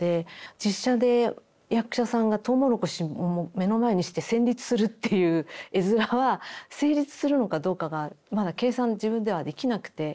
実写で役者さんがトウモロコシ目の前にして戦慄するっていう絵面は成立するのかどうかがまだ計算自分ではできなくて。